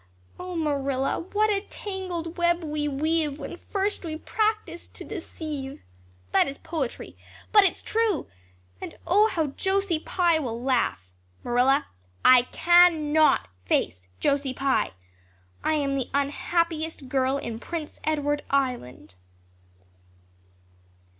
Oh, Marilla, 'what a tangled web we weave when first we practice to deceive.' That is poetry, but it is true. And oh, how Josie Pye will laugh! Marilla, I cannot face Josie Pye. I am the unhappiest girl in Prince Edward Island."